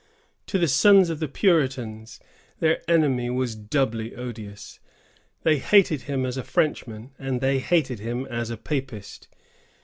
To the sons of the Puritans, their enemy was doubly odious. They hated him as a Frenchman, and they hated him as a Papist.